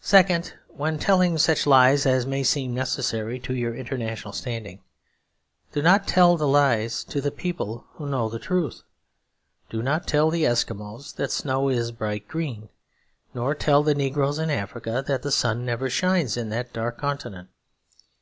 Second, when telling such lies as may seem necessary to your international standing, do not tell the lies to the people who know the truth. Do not tell the Eskimos that snow is bright green; nor tell the negroes in Africa that the sun never shines in that Dark Continent.